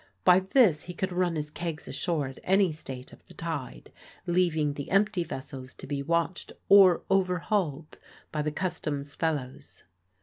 By this he could run his kegs ashore at any state of the tide, leaving the empty vessels to be watched or overhauled by the Customs' fellows.